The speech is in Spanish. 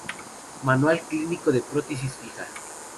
Manual clínico de Prótesis fija.